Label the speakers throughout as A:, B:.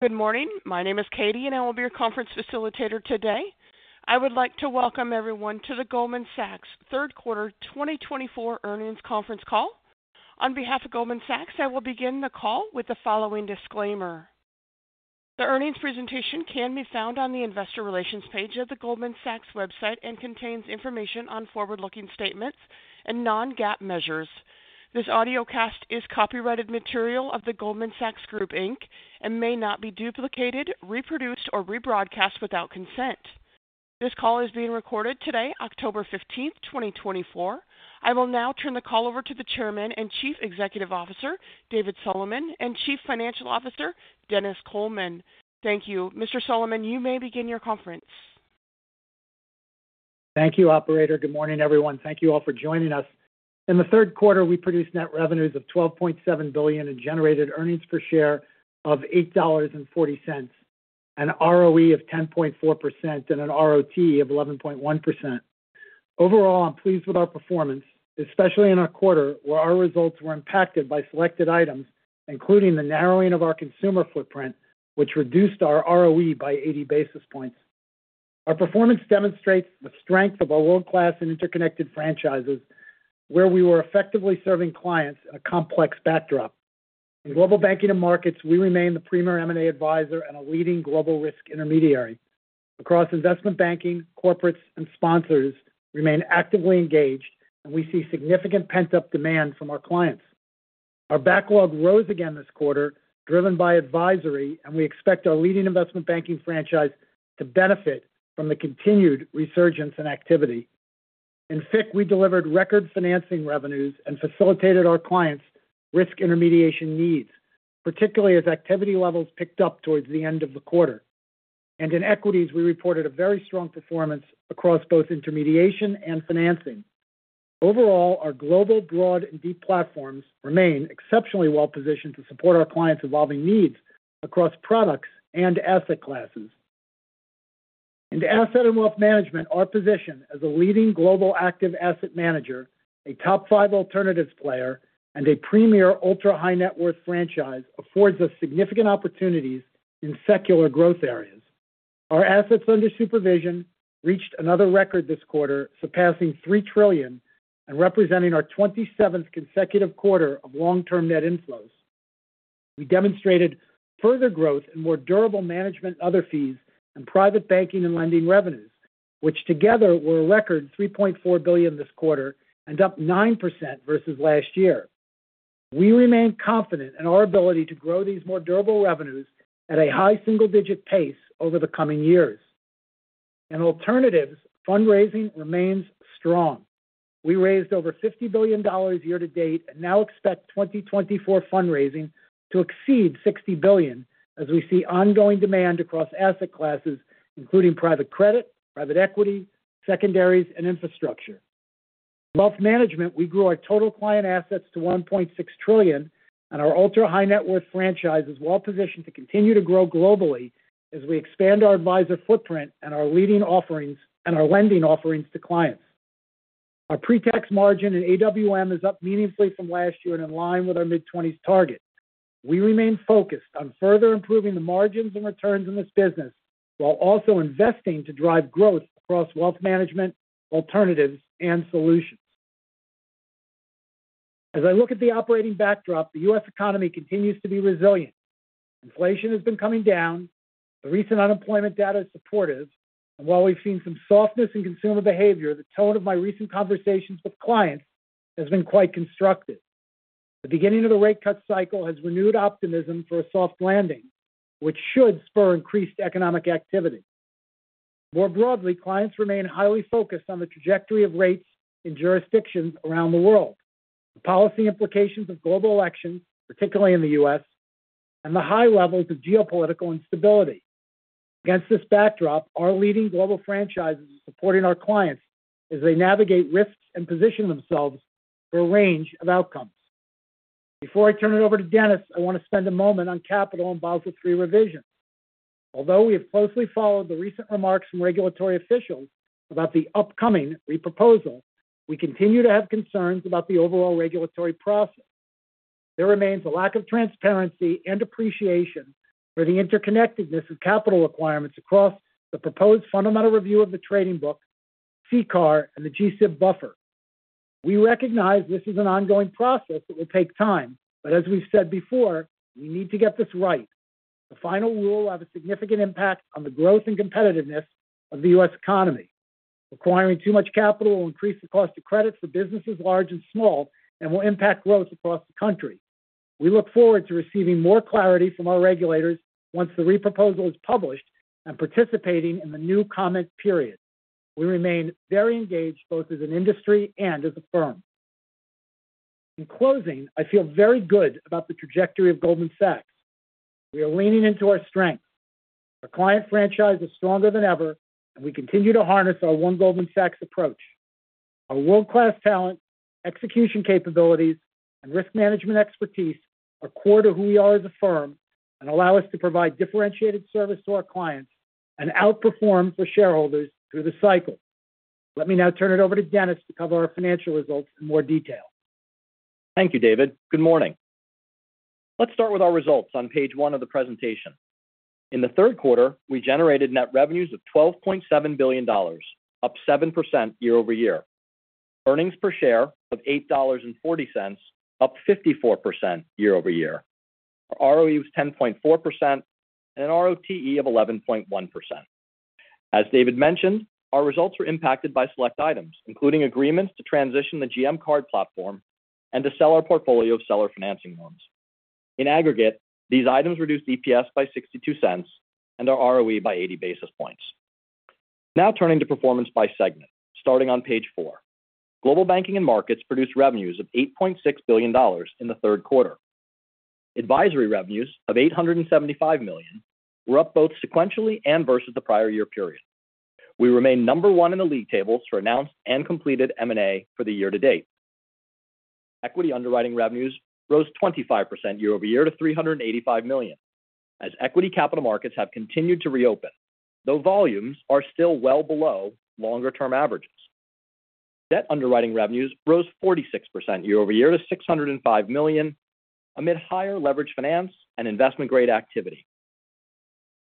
A: Good morning. My name is Katie, and I will be your conference facilitator today. I would like to welcome everyone to the Goldman Sachs third quarter 2024 earnings conference call. On behalf of Goldman Sachs, I will begin the call with the following disclaimer. The earnings presentation can be found on the Investor Relations page of the Goldman Sachs website and contains information on forward-looking statements and non-GAAP measures. This audiocast is copyrighted material of the Goldman Sachs Group Inc and may not be duplicated, reproduced, or rebroadcast without consent. This call is being recorded today, October 15th, 2024. I will now turn the call over to the Chairman and Chief Executive Officer, David Solomon, and Chief Financial Officer, Denis Coleman. Thank you. Mr. Solomon, you may begin your conference.
B: Thank you, operator. Good morning, everyone. Thank you all for joining us. In the third quarter, we produced net revenues of $12.7 billion and generated earnings per share of $8.40, an ROE of 10.4% and a ROTE of 11.1%. Overall, I'm pleased with our performance, especially in our quarter, where our results were impacted by selected items, including the narrowing of our consumer footprint, which reduced our ROE by 80 basis points. Our performance demonstrates the strength of our world-class and interconnected franchises, where we were effectively serving clients in a complex backdrop. In global banking and markets, we remain the premier M&A advisor and a leading global risk intermediary. Across investment banking, corporates, and sponsors remain actively engaged, and we see significant pent-up demand from our clients. Our backlog rose again this quarter, driven by advisory, and we expect our leading investment banking franchise to benefit from the continued resurgence in activity. In FICC, we delivered record financing revenues and facilitated our clients' risk intermediation needs, particularly as activity levels picked up towards the end of the quarter. And in equities, we reported a very strong performance across both intermediation and financing. Overall, our global, broad and deep platforms remain exceptionally well positioned to support our clients' evolving needs across products and asset classes. In asset and wealth management, our position as a leading global active asset manager, a top five alternatives player, and a premier ultra-high net worth franchise affords us significant opportunities in secular growth areas. Our assets under supervision reached another record this quarter, surpassing $3 trillion and representing our 27th consecutive quarter of long-term net inflows. We demonstrated further growth in more durable management other fees and private banking and lending revenues, which together were a record $3.4 billion this quarter and up 9% versus last year. We remain confident in our ability to grow these more durable revenues at a high single-digit pace over the coming years. In alternatives, fundraising remains strong. We raised over $50 billion year to date and now expect 2024 fundraising to exceed $60 billion as we see ongoing demand across asset classes, including private credit, private equity, secondaries and infrastructure. In wealth management, we grew our total client assets to $1.6 trillion, and our ultra-high net worth franchise is well positioned to continue to grow globally as we expand our advisor footprint and our leading offerings and our lending offerings to clients. Our pretax margin in AWM is up meaningfully from last year and in line with our mid-twenties target. We remain focused on further improving the margins and returns in this business, while also investing to drive growth across wealth management, alternatives and solutions. As I look at the operating backdrop, the U.S. economy continues to be resilient. Inflation has been coming down, the recent unemployment data is supportive, and while we've seen some softness in consumer behavior, the tone of my recent conversations with clients has been quite constructive. The beginning of the rate cut cycle has renewed optimism for a soft landing, which should spur increased economic activity. More broadly, clients remain highly focused on the trajectory of rates in jurisdictions around the world, the policy implications of global elections, particularly in the U.S., and the high levels of geopolitical instability. Against this backdrop, our leading global franchises are supporting our clients as they navigate risks and position themselves for a range of outcomes. Before I turn it over to Denis, I want to spend a moment on capital and Basel III revision. Although we have closely followed the recent remarks from regulatory officials about the upcoming reproposal, we continue to have concerns about the overall regulatory process. There remains a lack of transparency and appreciation for the interconnectedness of capital requirements across the proposed Fundamental Review of the Trading Book, CCAR, and the G-SIB buffer. We recognize this is an ongoing process that will take time, but as we've said before, we need to get this right. The final rule will have a significant impact on the growth and competitiveness of the U.S. economy. Requiring too much capital will increase the cost of credits for businesses large and small, and will impact growth across the country. We look forward to receiving more clarity from our regulators once the reproposal is published and participating in the new comment period. We remain very engaged, both as an industry and as a firm. In closing, I feel very good about the trajectory of Goldman Sachs. We are leaning into our strength. Our client franchise is stronger than ever, and we continue to harness our One Goldman Sachs approach. Our world-class talent, execution capabilities, and risk management expertise are core to who we are as a firm and allow us to provide differentiated service to our clients and outperform for shareholders through the cycle. Let me now turn it over to Denis to cover our financial results in more detail....
C: Thank you, David. Good morning. Let's start with our results on page one of the presentation. In the third quarter, we generated net revenues of $12.7 billion, up 7% year-over-year. Earnings per share of $8.40, up 54% year-over-year. Our ROE was 10.4% and an ROTE of 11.1%. As David mentioned, our results were impacted by select items, including agreements to transition the GM card platform and to sell our portfolio of seller financing loans. In aggregate, these items reduced EPS by $0.62 and our ROE by 80 basis points. Now turning to performance by segment, starting on page four. Global Banking & Markets produced revenues of $8.6 billion in the third quarter. Advisory revenues of $875 million were up both sequentially and versus the prior year period. We remain number one in the league tables for announced and completed M&A for the year to date. Equity underwriting revenues rose 25% year-over-year to $385 million, as equity capital markets have continued to reopen, though volumes are still well below longer-term averages. Debt underwriting revenues rose 46% year-over-year to $605 million, amid higher leverage finance and investment-grade activity.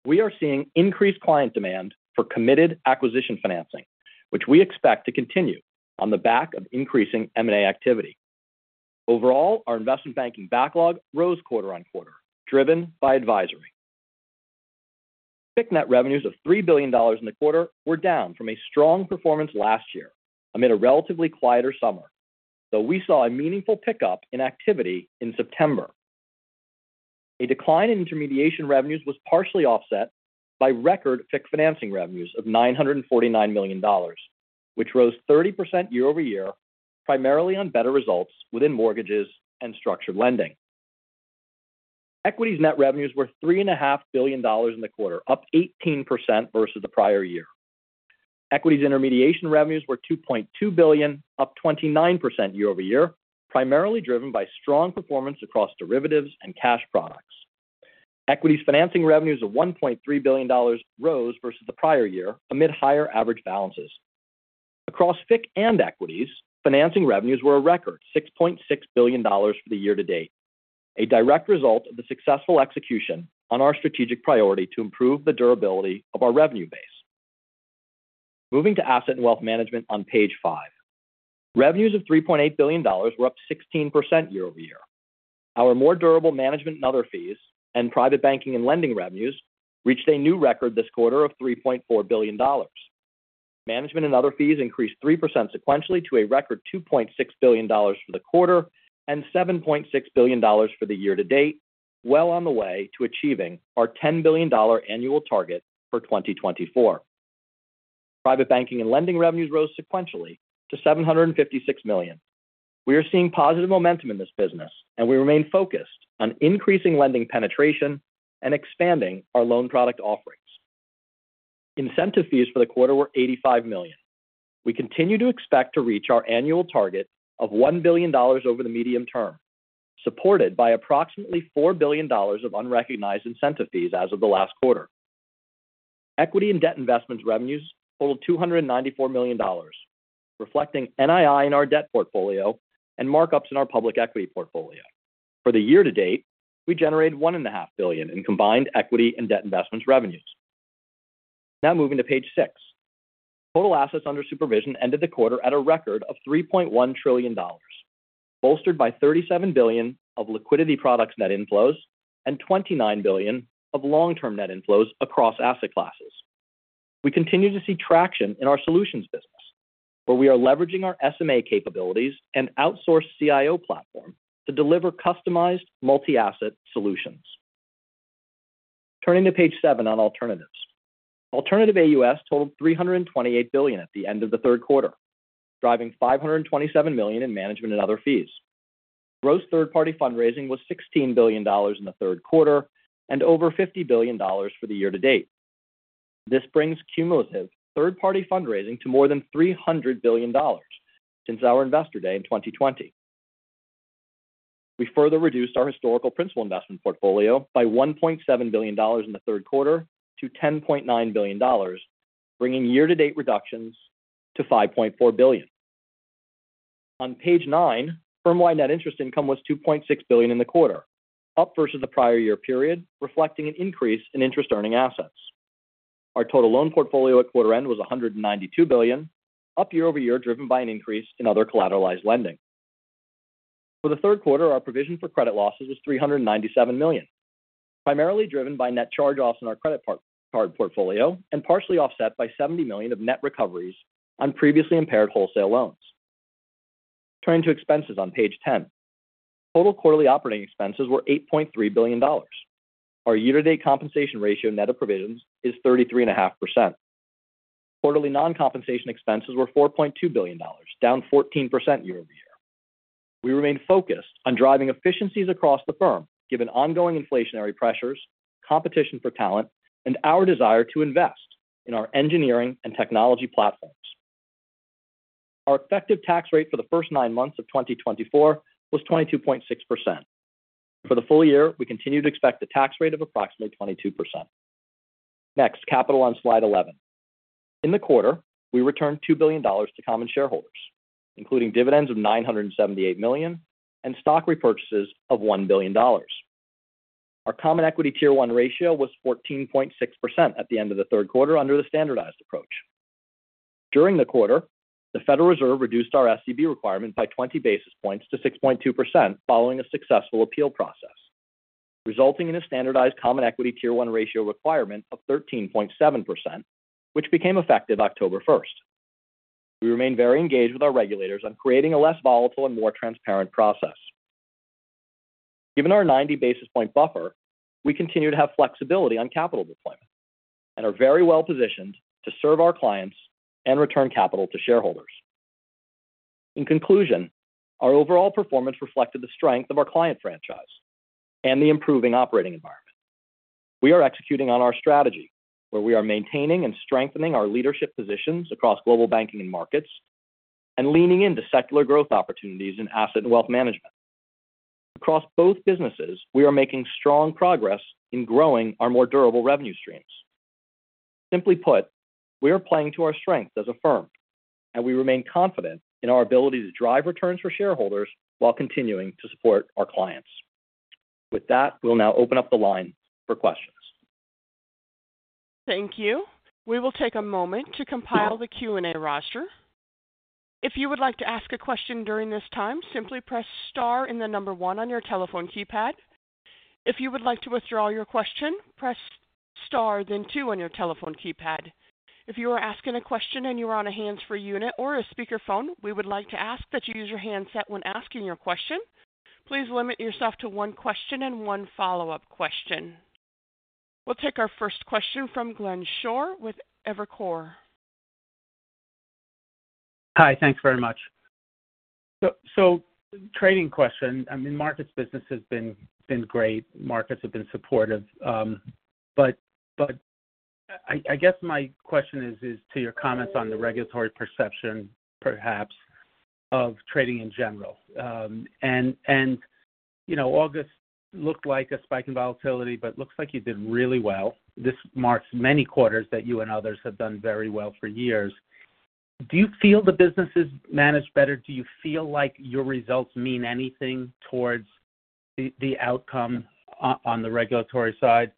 C: We are seeing increased client demand for committed acquisition financing, which we expect to continue on the back of increasing M&A activity. Overall, our investment banking backlog rose quarter-on-quarter, driven by advisory. FICC net revenues of $3 billion in the quarter were down from a strong performance last year, amid a relatively quieter summer, though we saw a meaningful pickup in activity in September. A decline in intermediation revenues was partially offset by record FICC financing revenues of $949 million, which rose 30% year-over-year, primarily on better results within mortgages and structured lending. Equities net revenues were $3.5 billion in the quarter, up 18% versus the prior year. Equities intermediation revenues were $2.2 billion, up 29% year-over-year, primarily driven by strong performance across derivatives and cash products. Equities financing revenues of $1.3 billion rose versus the prior year, amid higher average balances. Across FICC and equities, financing revenues were a record $6.6 billion for the year to date, a direct result of the successful execution on our strategic priority to improve the durability of our revenue base. Moving to asset and wealth management on page five. Revenues of $3.8 billion were up 16% year-over-year. Our more durable management and other fees, and private banking and lending revenues reached a new record this quarter of $3.4 billion. Management and other fees increased 3% sequentially to a record $2.6 billion for the quarter and $7.6 billion for the year to date, well on the way to achieving our $10 billion annual target for 2024. Private banking and lending revenues rose sequentially to $756 million. We are seeing positive momentum in this business, and we remain focused on increasing lending penetration and expanding our loan product offerings. Incentive fees for the quarter were $85 million. We continue to expect to reach our annual target of $1 billion over the medium term, supported by approximately $4 billion of unrecognized incentive fees as of the last quarter. Equity and debt investments revenues totaled $294 million, reflecting NII in our debt portfolio and markups in our public equity portfolio. For the year to date, we generated $1.5 billion in combined equity and debt investments revenues. Now moving to page six. Total assets under supervision ended the quarter at a record of $3.1 trillion, bolstered by $37 billion of liquidity products net inflows and $29 billion of long-term net inflows across asset classes. We continue to see traction in our solutions business, where we are leveraging our SMA capabilities and outsourced CIO platform to deliver customized multi-asset solutions. Turning to page seven on alternatives. Alternative AUS totaled $328 billion at the end of the third quarter, driving $527 million in management and other fees. Gross third-party fundraising was $16 billion in the third quarter and over $50 billion for the year to date. This brings cumulative third-party fundraising to more than $300 billion since our Investor Day in 2020. We further reduced our historical principal investment portfolio by $1.7 billion in the third quarter to $10.9 billion, bringing year-to-date reductions to $5.4 billion. On page nine, firm-wide net interest income was $2.6 billion in the quarter, up versus the prior year period, reflecting an increase in interest earning assets. Our total loan portfolio at quarter end was $192 billion, up year-over-year, driven by an increase in other collateralized lending. For the third quarter, our provision for credit losses was $397 million, primarily driven by net charge-offs in our credit card portfolio, and partially offset by $70 million of net recoveries on previously impaired wholesale loans. Turning to expenses on page ten. Total quarterly operating expenses were $8.3 billion. Our year-to-date compensation ratio, net of provisions, is 33.5%. Quarterly non-compensation expenses were $4.2 billion, down 14% year-over-year. We remain focused on driving efficiencies across the firm, given ongoing inflationary pressures, competition for talent, and our desire to invest in our engineering and technology platforms. Our effective tax rate for the first nine months of 2024 was 22.6%. For the full year, we continue to expect a tax rate of approximately 22%.... Next, capital on slide 11. In the quarter, we returned $2 billion to common shareholders, including dividends of $978 million and stock repurchases of $1 billion. Our Common Equity Tier 1 ratio was 14.6% at the end of the third quarter under the standardized approach. During the quarter, the Federal Reserve reduced our SCB requirement by 20 basis points to 6.2%, following a successful appeal process, resulting in a standardized Common Equity Tier 1 ratio requirement of 13.7%, which became effective October first. We remain very engaged with our regulators on creating a less volatile and more transparent process. Given our 90 basis point buffer, we continue to have flexibility on capital deployment and are very well positioned to serve our clients and return capital to shareholders. In conclusion, our overall performance reflected the strength of our client franchise and the improving operating environment. We are executing on our strategy, where we are maintaining and strengthening our leadership positions across global banking and markets and leaning into secular growth opportunities in asset and wealth management. Across both businesses, we are making strong progress in growing our more durable revenue streams. Simply put, we are playing to our strength as a firm, and we remain confident in our ability to drive returns for shareholders while continuing to support our clients. With that, we'll now open up the line for questions.
A: Thank you. We will take a moment to compile the Q&A roster. If you would like to ask a question during this time, simply press star and the number one on your telephone keypad. If you would like to withdraw your question, press star, then two on your telephone keypad. If you are asking a question and you are on a hands-free unit or a speakerphone, we would like to ask that you use your handset when asking your question. Please limit yourself to one question and one follow-up question. We'll take our first question from Glenn Schorr with Evercore.
D: Hi, thanks very much. So trading question, I mean, markets business has been great. Markets have been supportive. But I guess my question is to your comments on the regulatory perception, perhaps, of trading in general. And you know, August looked like a spike in volatility, but looks like you did really well. This marks many quarters that you and others have done very well for years. Do you feel the business is managed better? Do you feel like your results mean anything towards the outcome on the regulatory side?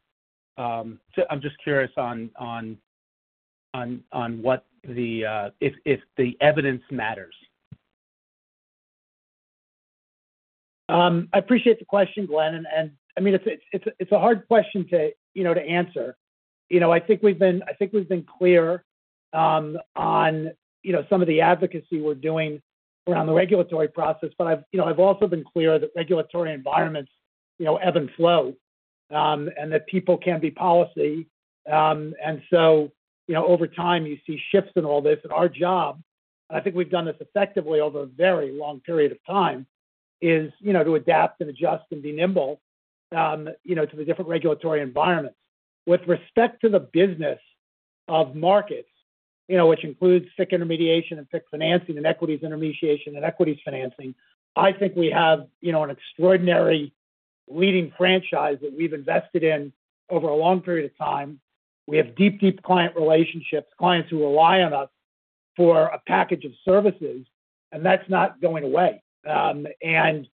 D: So I'm just curious on what if the evidence matters.
B: I appreciate the question, Glenn, and I mean, it's a hard question to, you know, to answer. You know, I think we've been clear, on, you know, some of the advocacy we're doing around the regulatory process. But I've, you know, I've also been clear that regulatory environments, you know, ebb and flow, and that people can be policy. And so, you know, over time, you see shifts in all this. Our job, I think we've done this effectively over a very long period of time, is, you know, to adapt and adjust and be nimble, you know, to the different regulatory environments. With respect to the business of markets, you know, which includes FICC intermediation and FICC financing and equities intermediation and equities financing, I think we have, you know, an extraordinary leading franchise that we've invested in over a long period of time. We have deep, deep client relationships, clients who rely on us for a package of services, and that's not going away. And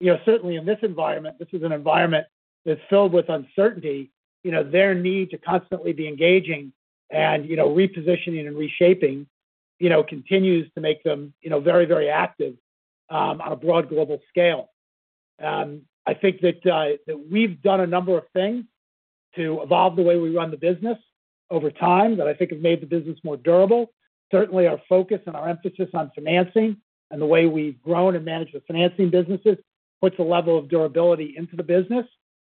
B: you know, certainly in this environment, this is an environment that's filled with uncertainty, you know, their need to constantly be engaging and, you know, repositioning and reshaping, you know, continues to make them, you know, very, very active on a broad global scale. I think that we've done a number of things to evolve the way we run the business over time, that I think have made the business more durable. Certainly, our focus and our emphasis on financing and the way we've grown and managed the financing businesses, puts a level of durability into the business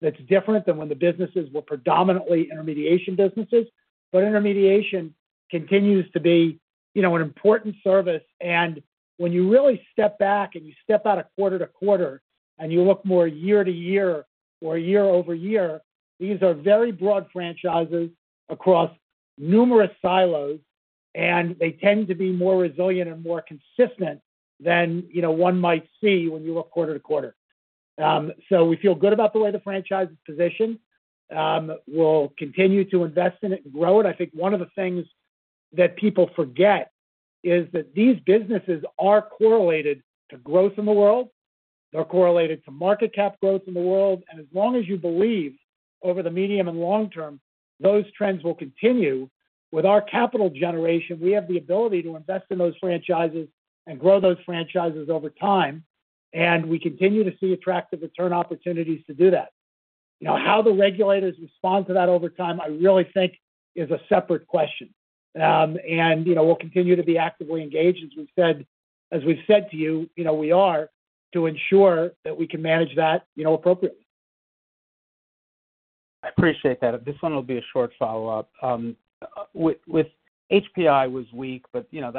B: that's different than when the businesses were predominantly intermediation businesses. But intermediation continues to be, you know, an important service. And when you really step back and you step out of quarter-to-quarter, and you look more year-to-year or year-over-year, these are very broad franchises across numerous silos, and they tend to be more resilient and more consistent than, you know, one might see when you look quarter-to-quarter. So we feel good about the way the franchise is positioned. We'll continue to invest in it and grow it. I think one of the things that people forget is that these businesses are correlated to growth in the world. They're correlated to market cap growth in the world, and as long as you believe over the medium and long term, those trends will continue. With our capital generation, we have the ability to invest in those franchises and grow those franchises over time, and we continue to see attractive return opportunities to do that. You know, how the regulators respond to that over time, I really think is a separate question. And, you know, we'll continue to be actively engaged, as we've said to you, you know, we are, to ensure that we can manage that, you know, appropriately.
D: I appreciate that. This one will be a short follow-up. With HPI was weak, but, you know,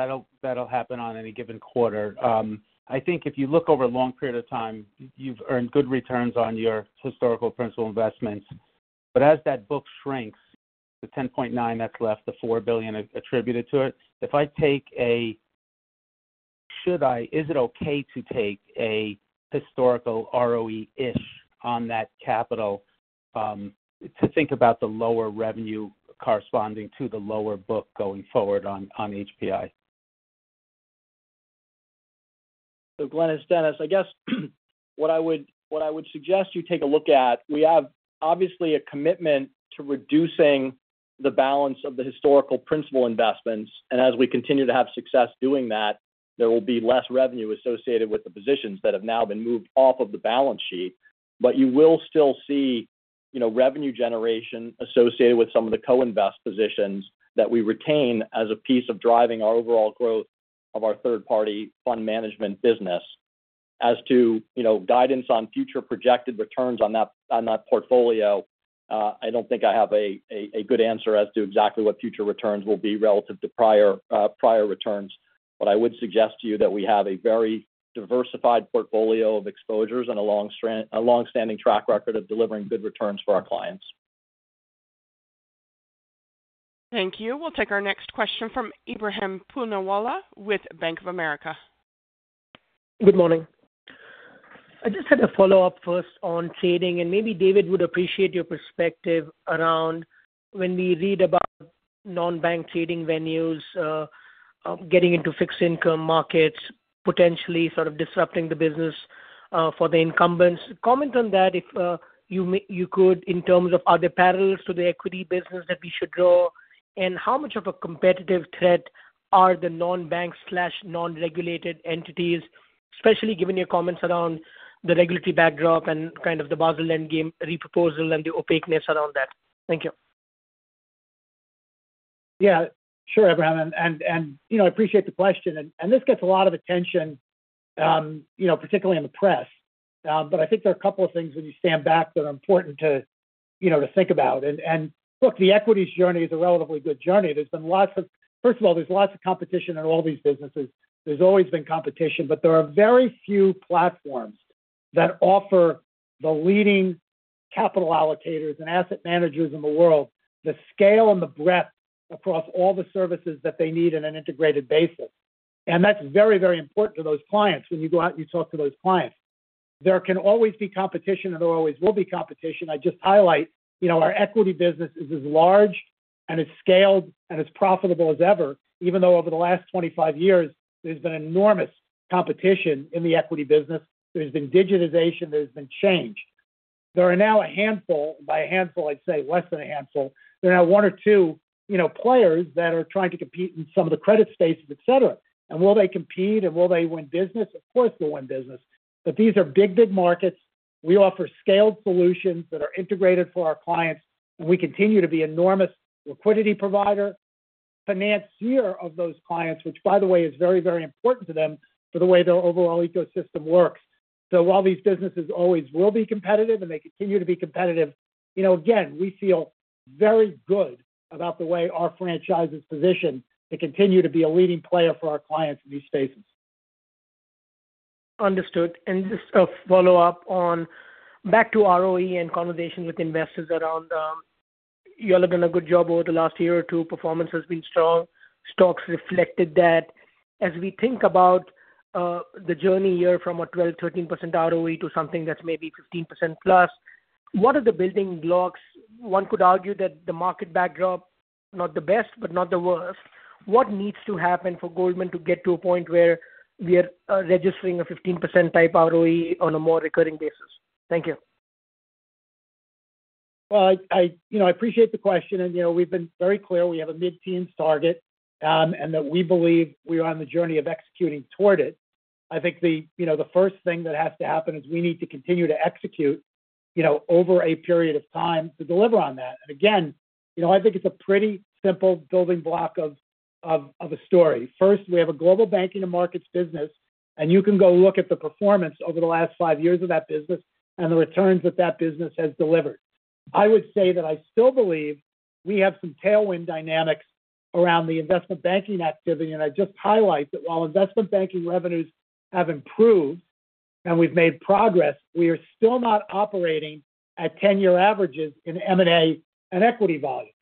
D: that'll happen on any given quarter. I think if you look over a long period of time, you've earned good returns on your historical principal investments. But as that book shrinks to 10.9, that's left the $4 billion attributed to it. If I take a- ... should I, is it okay to take a historical ROE-ish on that capital, to think about the lower revenue corresponding to the lower book going forward on HPI?
C: So Glenn, it's Denis. I guess what I would suggest you take a look at, we have obviously a commitment to reducing the balance of the historical principal investments, and as we continue to have success doing that, there will be less revenue associated with the positions that have now been moved off of the balance sheet. But you will still see, you know, revenue generation associated with some of the co-invest positions that we retain as a piece of driving our overall growth of our third-party fund management business. As to, you know, guidance on future projected returns on that portfolio, I don't think I have a good answer as to exactly what future returns will be relative to prior returns. But I would suggest to you that we have a very diversified portfolio of exposures and a long-standing track record of delivering good returns for our clients.
A: Thank you. We'll take our next question from Ebrahim Poonawala with Bank of America.
E: Good morning. I just had a follow-up first on trading, and maybe David would appreciate your perspective around when we read about non-bank trading venues getting into fixed income markets, potentially sort of disrupting the business for the incumbents. Comment on that, if you could, in terms of are there parallels to the equity business that we should draw, and how much of a competitive threat are the non-bank/non-regulated entities, especially given your comments around the regulatory backdrop and kind of the Basel end game reproposal and the opaqueness around that? Thank you.
B: Yeah, sure, Ebrahim, and you know, I appreciate the question, and this gets a lot of attention, you know, particularly in the press. But I think there are a couple of things when you stand back that are important to, you know, to think about. And look, the equities journey is a relatively good journey. First of all, there's lots of competition in all these businesses. There's always been competition, but there are very few platforms that offer the leading capital allocators and asset managers in the world, the scale and the breadth across all the services that they need in an integrated basis. And that's very, very important to those clients when you go out and you talk to those clients. There can always be competition, and there always will be competition. I just highlight, you know, our equity business is as large and as scaled and as profitable as ever, even though over the last 25 years, there's been enormous competition in the equity business. There's been digitization, there's been change. There are now a handful, by a handful, I'd say less than a handful. There are now one or two, you know, players that are trying to compete in some of the credit spaces, et cetera. And will they compete, and will they win business? Of course, they'll win business, but these are big, big markets. We offer scaled solutions that are integrated for our clients, and we continue to be enormous liquidity provider, financier of those clients, which, by the way, is very, very important to them for the way their overall ecosystem works. While these businesses always will be competitive, and they continue to be competitive, you know, again, we feel very good about the way our franchise is positioned to continue to be a leading player for our clients in these spaces.
E: Understood and just a follow-up on back to ROE and conversation with investors around, you all have done a good job over the last year or two. Performance has been strong. Stocks reflected that. As we think about, the journey here from a 12%-13% ROE to something that's maybe 15%+, what are the building blocks? One could argue that the market backdrop, not the best, but not the worst. What needs to happen for Goldman to get to a point where we are, registering a 15% type ROE on a more recurring basis? Thank you.
B: You know, I appreciate the question, and, you know, we've been very clear we have a mid-teen target, and that we believe we are on the journey of executing toward it. I think, you know, the first thing that has to happen is we need to continue to execute, you know, over a period of time to deliver on that. And again, you know, I think it's a pretty simple building block of a story. First, we have a Global Banking & Markets business, and you can go look at the performance over the last five years of that business and the returns that that business has delivered. I would say that I still believe we have some tailwind dynamics around the investment banking activity, and I just highlight that while investment banking revenues have improved and we've made progress, we are still not operating at 10-year averages in M&A and equity volumes.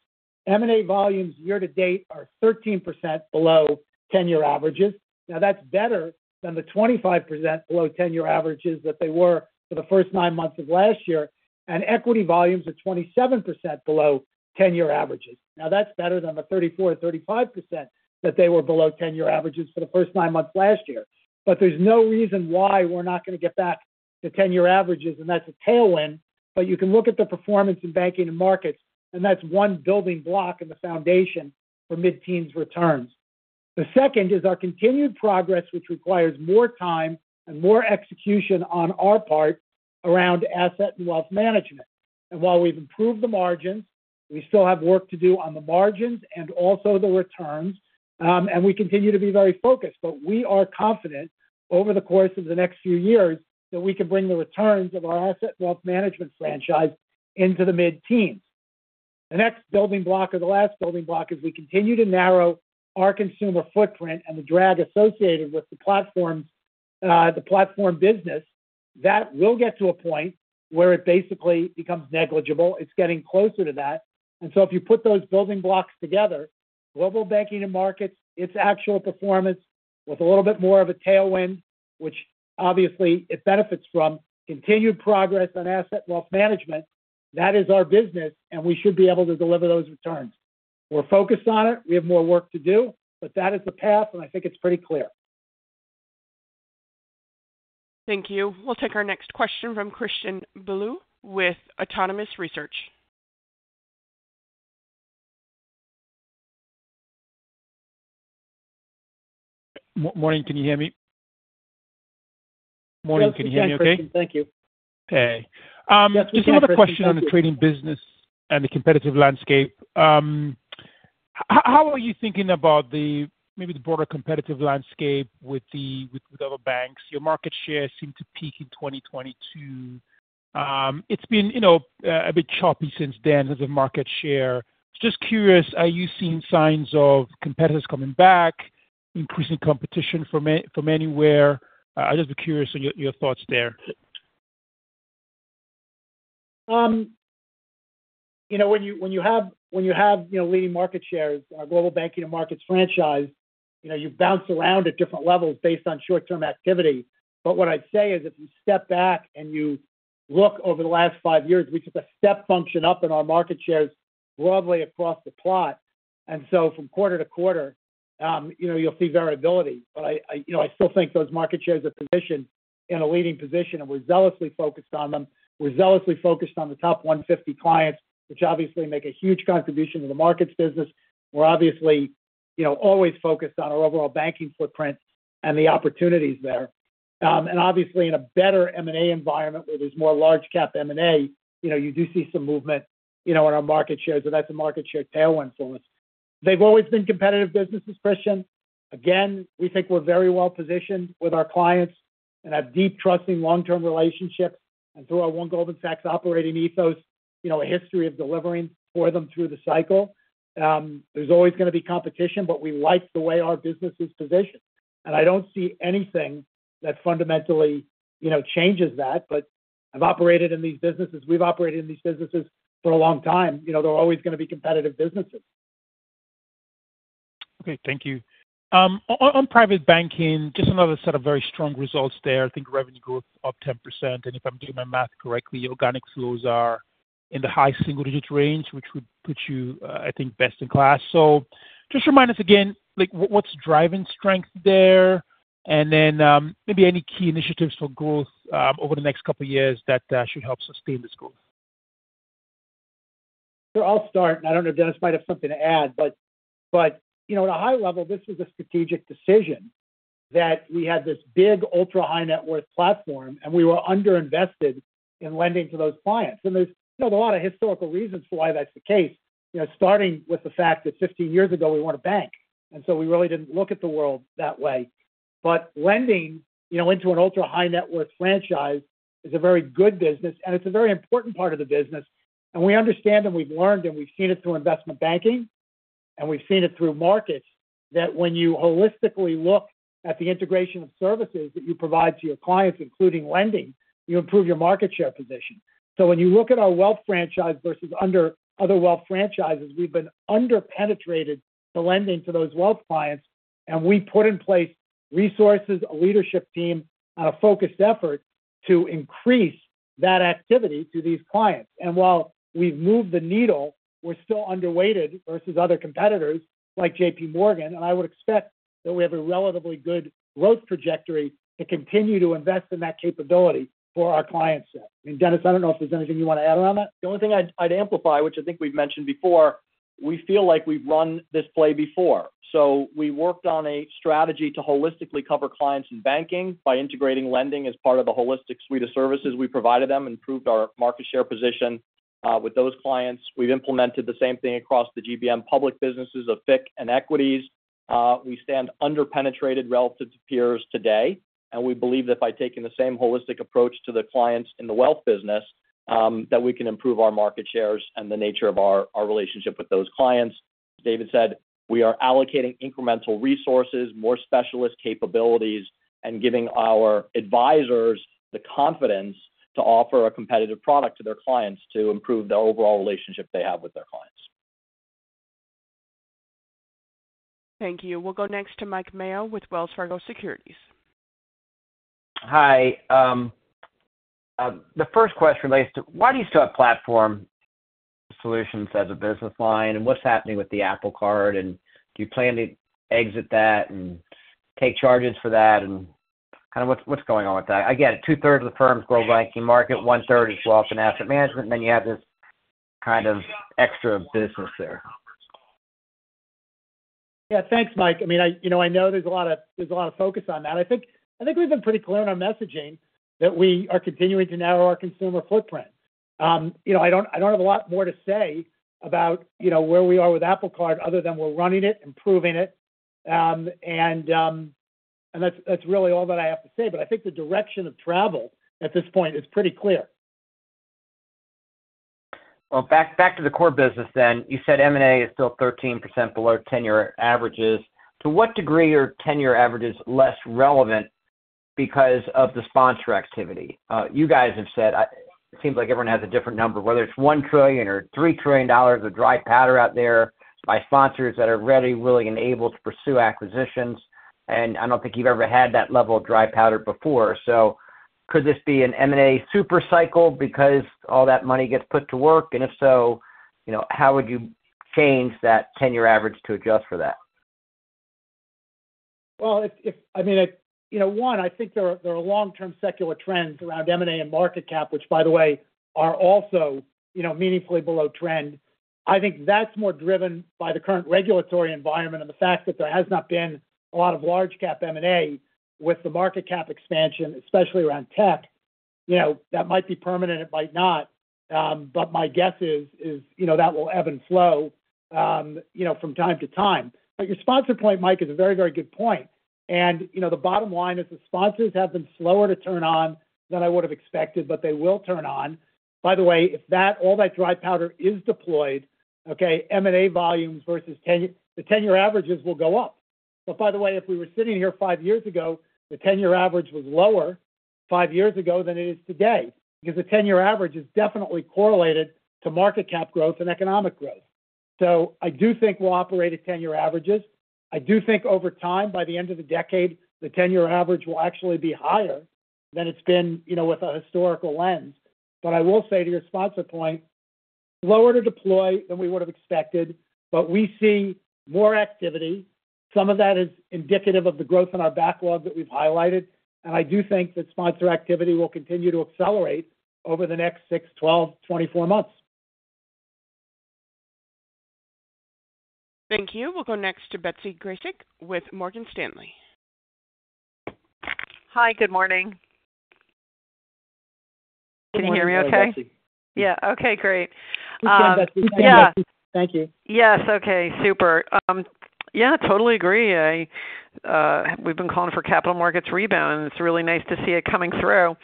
B: M&A volumes year to date are 13% below 10-year averages. Now, that's better than the 25% below 10-year averages that they were for the first nine months of last year, and equity volumes are 27% below 10-year averages. Now, that's better than the 34%, 35% that they were below 10-year averages for the first nine months last year. But there's no reason why we're not going to get back to 10-year averages, and that's a tailwind, but you can look at the performance in banking and markets, and that's one building block in the foundation for mid-teens returns. The second is our continued progress, which requires more time and more execution on our part around asset and wealth management. And while we've improved the margins, we still have work to do on the margins and also the returns. And we continue to be very focused, but we are confident over the course of the next few years, that we can bring the returns of our asset wealth management franchise into the mid-teens. The next building block or the last building block, is we continue to narrow our consumer footprint and the drag associated with the platform, the platform business that will get to a point where it basically becomes negligible. It's getting closer to that. And so if you put those building blocks together, Global Banking & Markets, its actual performance with a little bit more of a tailwind, which obviously it benefits from, continued progress on Asset & Wealth Management, that is our business, and we should be able to deliver those returns. We're focused on it. We have more work to do, but that is the path, and I think it's pretty clear.
A: Thank you. We'll take our next question from Christian Bolu with Autonomous Research.
F: Morning, can you hear me okay?
B: Thank you.
F: Hey, um-
B: Yes, we can hear you.
F: Just another question on the trading business and the competitive landscape. How are you thinking about the, maybe the broader competitive landscape with the, with other banks? Your market share seemed to peak in 2022. It's been, you know, a bit choppy since then, as a market share. Just curious, are you seeing signs of competitors coming back, increasing competition from from anywhere? I'd just be curious on your thoughts there.
B: You know, when you have leading market shares in our Global Banking & Markets franchise, you know, you bounce around at different levels based on short-term activity. But what I'd say is, if you step back and you look over the last five years, we took a step function up in our market shares broadly across the board. And so from quarter-to-quarter, you know, you'll see variability. But I, you know, I still think those market shares are positioned in a leading position, and we're zealously focused on them. We're zealously focused on the top 150 clients, which obviously make a huge contribution to the markets business. We're obviously, you know, always focused on our overall banking footprint and the opportunities there. And obviously, in a better M&A environment, where there's more large cap M&A, you know, you do see some movement, you know, in our market shares, so that's a market share tailwind for us. They've always been competitive businesses, Christian. Again, we think we're very well-positioned with our clients and have deep, trusting, long-term relationships, and through our One Goldman Sachs operating ethos, you know, a history of delivering for them through the cycle. There's always going to be competition, but we like the way our business is positioned, and I don't see anything that fundamentally, you know, changes that. But I've operated in these businesses. We've operated in these businesses for a long time. You know, they're always going to be competitive businesses.
F: Okay, thank you. On private banking, just another set of very strong results there. I think revenue growth up 10%, and if I'm doing my math correctly, organic flows are in the high single-digit range, which would put you, I think, best in class. So just remind us again, like, what's driving strength there, and then, maybe any key initiatives for growth, over the next couple of years that should help sustain this growth?
B: Sure, I'll start, and I don't know, Denis might have something to add, but, but, you know, at a high level, this is a strategic decision that we had this big ultra-high net worth platform, and we were underinvested in lending to those clients. And there's, you know, a lot of historical reasons for why that's the case, you know, starting with the fact that 15 years ago, we weren't a bank, and so we really didn't look at the world that way. But lending, you know, into an ultra-high net worth franchise is a very good business, and it's a very important part of the business. And we understand, and we've learned, and we've seen it through investment banking, and we've seen it through markets, that when you holistically look at the integration of services that you provide to your clients, including lending, you improve your market share position. So when you look at our wealth franchise versus under other wealth franchises, we've been under-penetrated to lending to those wealth clients, and we put in place resources, a leadership team, and a focused effort to increase that activity to these clients. And while we've moved the needle, we're still underweighted versus other competitors, like JPMorgan. And I would expect that we have a relatively good growth trajectory to continue to invest in that capability for our client set. I mean, Denis, I don't know if there's anything you want to add on that.
C: The only thing I'd amplify, which I think we've mentioned before, we feel like we've run this play before. So we worked on a strategy to holistically cover clients in banking by integrating lending as part of the holistic suite of services we provided them, improved our market share position with those clients. We've implemented the same thing across the GBM public businesses of FICC and equities. We stand under-penetrated relative to peers today, and we believe that by taking the same holistic approach to the clients in the Wealth business, that we can improve our market shares and the nature of our relationship with those clients. David said, "We are allocating incremental resources, more specialist capabilities, and giving our advisors the confidence to offer a competitive product to their clients to improve the overall relationship they have with their clients.
A: Thank you. We'll go next to Mike Mayo with Wells Fargo Securities.
G: Hi. The first question relates to why do you still have Platform Solutions as a business line, and what's happening with the Apple Card? And do you plan to exit that and take charges for that? And kind of what's going on with that? Again, 2/3 of the firm's Global Banking & Markets, 1/3 is Wealth & Asset Management, and then you have this kind of extra business there.
B: Yeah, thanks, Mike. I mean, you know, I know there's a lot of focus on that. I think we've been pretty clear on our messaging, that we are continuing to narrow our consumer footprint. You know, I don't have a lot more to say about where we are with Apple Card, other than we're running it, improving it, and that's really all that I have to say. But I think the direction of travel at this point is pretty clear.
G: Back to the core business then. You said M&A is still 13% below 10-year averages. To what degree are 10-year averages less relevant because of the sponsor activity? You guys have said, it seems like everyone has a different number, whether it's $1 trillion or $3 trillion of dry powder out there by sponsors that are ready, willing, and able to pursue acquisitions, and I don't think you've ever had that level of dry powder before. So could this be an M&A super cycle because all that money gets put to work? And if so, you know, how would you change that 10-year average to adjust for that?
B: I mean, you know, one, I think there are long-term secular trends around M&A and market cap, which, by the way, are also, you know, meaningfully below trend. I think that's more driven by the current regulatory environment and the fact that there has not been a lot of large cap M&A with the market cap expansion, especially around tech. You know, that might be permanent, it might not. But my guess is, you know, that will ebb and flow, you know, from time to time. But your sponsor point, Mike, is a very, very good point. And, you know, the bottom line is the sponsors have been slower to turn on than I would have expected, but they will turn on. By the way, if that all that dry powder is deployed, okay, M&A volumes versus 10-year averages will go up. But by the way, if we were sitting here five years ago, the 10-year average was lower five years ago than it is today, because the 10-year average is definitely correlated to market cap growth and economic growth. So I do think we'll operate at 10-year averages. I do think over time, by the end of the decade, the 10-year average will actually be higher than it's been, you know, with a historical lens. But I will say to your sponsor point, slower to deploy than we would have expected, but we see more activity. Some of that is indicative of the growth in our backlog that we've highlighted, and I do think that sponsor activity will continue to accelerate over the next six, 12, 24 months.
A: Thank you. We'll go next to Betsy Graseck with Morgan Stanley.
H: Hi, good morning. Can you hear me okay?
B: Good morning, Betsy.
H: Yeah. Okay, great. Yeah.
B: Thank you.
H: Yes. Okay, super. Yeah, totally agree. We've been calling for capital markets rebound, and it's really nice to see it coming through.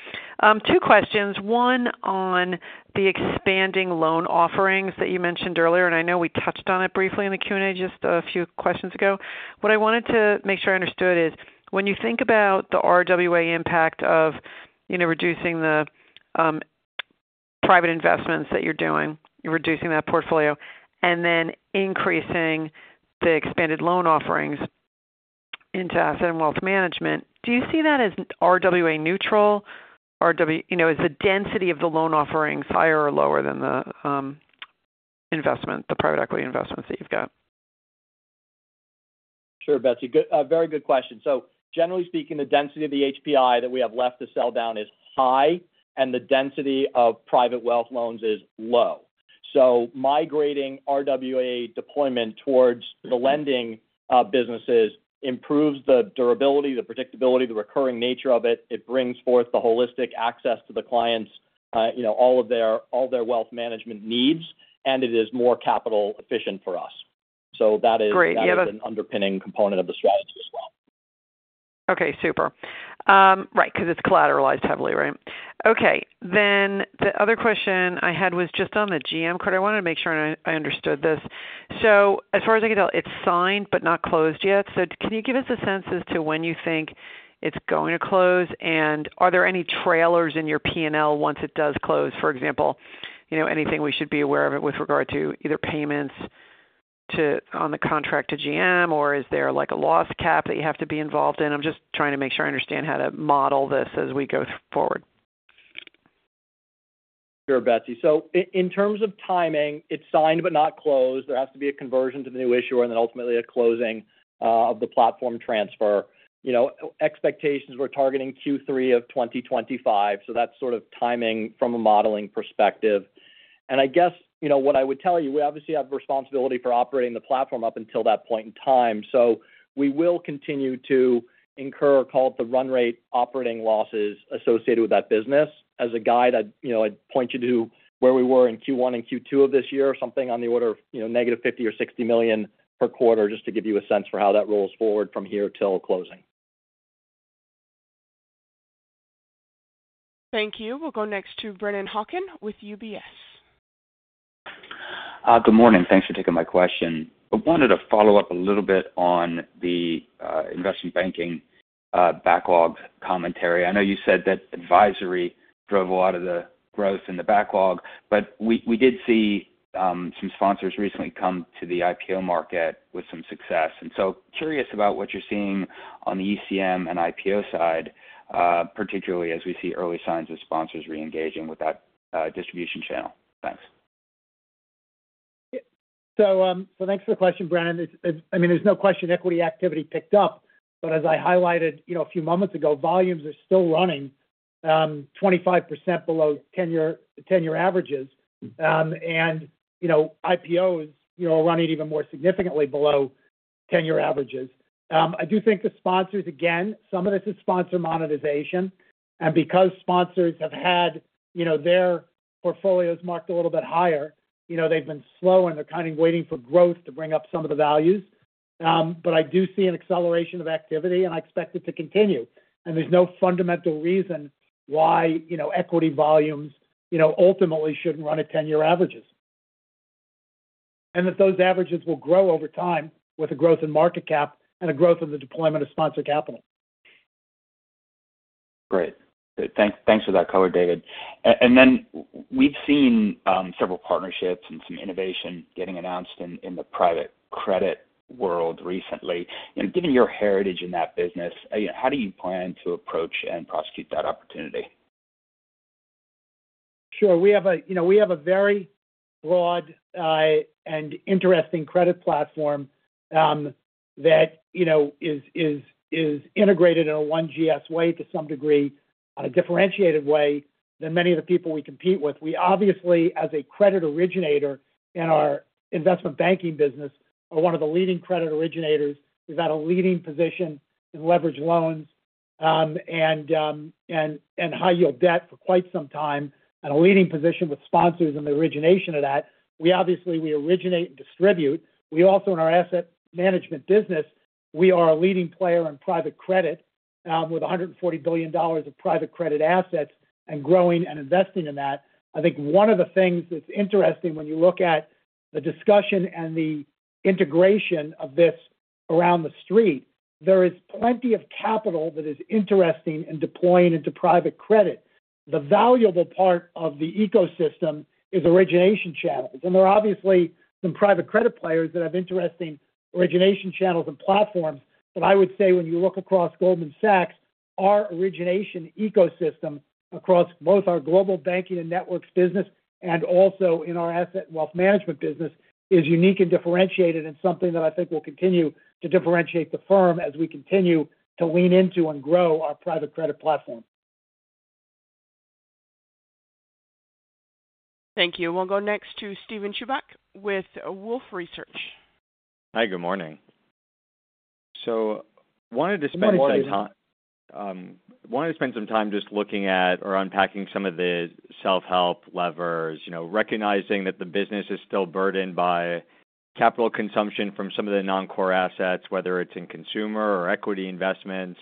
H: Two questions, one on the expanding loan offerings that you mentioned earlier, and I know we touched on it briefly in the Q&A just a few questions ago. What I wanted to make sure I understood is, when you think about the RWA impact of, you know, reducing the private investments that you're doing, you're reducing that portfolio, and then increasing the expanded loan offerings into Asset & Wealth Management, do you see that as RWA neutral? You know, is the density of the loan offerings higher or lower than the investment, the private equity investments that you've got?
C: Sure, Betsy. Good, a very good question. So generally speaking, the density of the HPI that we have left to sell down is high, and the density of private wealth loans is low. So migrating RWA deployment towards the lending businesses improves the durability, the predictability, the recurring nature of it. It brings forth the holistic access to the clients', you know, all of their- all their wealth management needs, and it is more capital efficient for us. So that is-
H: Great, you have a-
C: an underpinning component of the strategy as well.
H: Okay, super. Right, because it's collateralized heavily, right? Okay, then the other question I had was just on the GM card. I wanted to make sure I understood this. So as far as I can tell, it's signed but not closed yet. So can you give us a sense as to when you think it's going to close? And are there any trailers in your P&L once it does close? For example, you know, anything we should be aware of with regard to either payments to, on the contract to GM, or is there like a loss cap that you have to be involved in? I'm just trying to make sure I understand how to model this as we go forward.
C: Sure, Betsy. So in terms of timing, it's signed but not closed. There has to be a conversion to the new issuer and then ultimately a closing of the platform transfer. You know, expectations, we're targeting Q3 of 2025, so that's sort of timing from a modeling perspective. And I guess, you know, what I would tell you, we obviously have responsibility for operating the platform up until that point in time. So we will continue to incur, call it, the run rate operating losses associated with that business. As a guide, I'd, you know, I'd point you to where we were in Q1 and Q2 of this year, something on the order of, you know, negative $50-$60 million per quarter, just to give you a sense for how that rolls forward from here till closing.
A: Thank you. We'll go next to Brennan Hawken with UBS.
I: Good morning. Thanks for taking my question. I wanted to follow up a little bit on the investment banking backlog commentary. I know you said that advisory drove a lot of the growth in the backlog, but we did see some sponsors recently come to the IPO market with some success. And so curious about what you're seeing on the ECM and IPO side, particularly as we see early signs of sponsors reengaging with that distribution channel. Thanks.
B: So, thanks for the question, Brennan. I mean, there's no question equity activity picked up, but as I highlighted, you know, a few moments ago, volumes are still running 25% below 10-year averages. And, you know, IPOs, you know, are running even more significantly below 10-year averages. I do think the sponsors, again, some of this is sponsor monetization, and because sponsors have had, you know, their portfolios marked a little bit higher, you know, they've been slow, and they're kind of waiting for growth to bring up some of the values. But I do see an acceleration of activity, and I expect it to continue. And there's no fundamental reason why, you know, equity volumes, you know, ultimately shouldn't run at 10-year averages. That those averages will grow over time with the growth in market cap and the growth of the deployment of sponsor capital.
I: Great. Good. Thanks for that color, David. And then we've seen several partnerships and some innovation getting announced in the private credit world recently. You know, given your heritage in that business, how do you plan to approach and prosecute that opportunity?
B: Sure. We have a, you know, we have a very broad, and interesting credit platform, that, you know, is integrated in a One GS way to some degree, a differentiated way than many of the people we compete with. We obviously, as a credit originator in our investment banking business, are one of the leading credit originators. We've had a leading position in leverage loans, and high yield debt for quite some time, and a leading position with sponsors and the origination of that. We obviously, we originate and distribute. We also, in our Asset Management business, we are a leading player in private credit, with $140 billion of private credit assets and growing and investing in that. I think one of the things that's interesting when you look at the discussion and the integration of this around the street. There is plenty of capital that is interesting in deploying into private credit. The valuable part of the ecosystem is origination channels, and there are obviously some private credit players that have interesting origination channels and platforms. But I would say, when you look across Goldman Sachs, our origination ecosystem, across both our Global Banking & Markets business and also in our Asset & Wealth Management business, is unique and differentiated, and something that I think will continue to differentiate the firm as we continue to lean into and grow our private credit platform.
A: Thank you. We'll go next to Steven Chubak with Wolfe Research.
J: Hi, good morning. So wanted to spend some time-
B: Good morning, Steven.
J: Wanted to spend some time just looking at or unpacking some of the self-help levers, you know, recognizing that the business is still burdened by capital consumption from some of the non-core assets, whether it's in consumer or equity investments.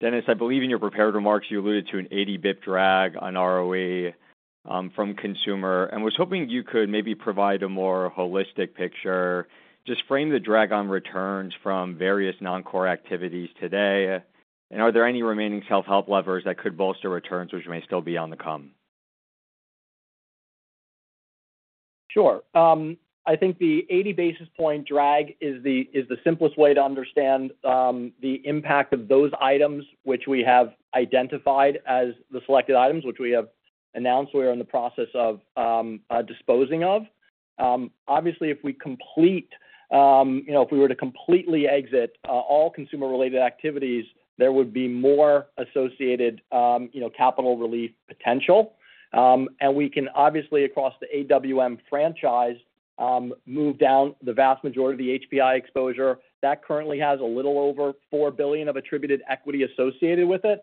J: Denis, I believe in your prepared remarks, you alluded to an 80 basis point drag on ROE from consumer, and was hoping you could maybe provide a more holistic picture. Just frame the drag on returns from various non-core activities today, and are there any remaining self-help levers that could bolster returns, which may still be on the come?
C: Sure. I think the 80 basis points drag is the simplest way to understand the impact of those items, which we have identified as the selected items, which we have announced we are in the process of disposing of. Obviously, if we complete you know, if we were to completely exit all consumer-related activities, there would be more associated you know, capital relief potential. And we can obviously, across the AWM franchise, move down the vast majority of the HPI exposure. That currently has a little over $4 billion of attributed equity associated with it.